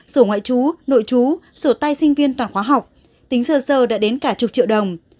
sổ ngoại trú nội chú sổ tay sinh viên toàn khóa học tính sơ sơ đã đến cả chục triệu đồng